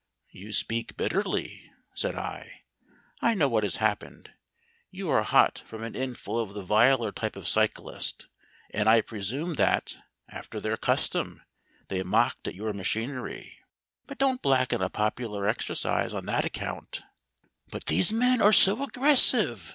"You speak bitterly," said I. "I know what has happened. You are hot from an inn full of the viler type of cyclist, and I presume that, after their custom, they mocked at your machinery. But don't blacken a popular exercise on that account." "But these men are so aggressive!